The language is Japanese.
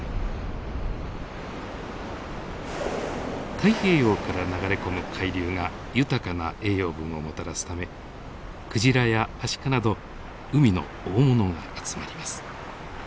太平洋から流れ込む海流が豊かな栄養分をもたらすためクジラやアシカなど海の大物が集まります。